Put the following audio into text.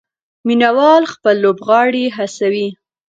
مینه وال خپل لوبغاړي هڅوي.